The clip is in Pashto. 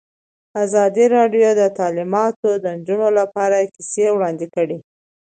ازادي راډیو د تعلیمات د نجونو لپاره کیسې وړاندې کړي.